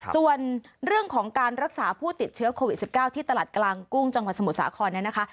ส่วนเรื่องของการรักษาผู้ติดเชื้อโควิด๑๙ที่ตลาดกลางกุ้งจังหวัดสมุทรสาครเนี่ยนะคะ